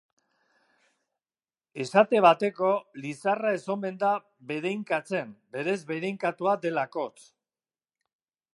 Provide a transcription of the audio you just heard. Esate bateko, Lizarra ez omen da bedeinkatzen berez bedeinkatua delakotz.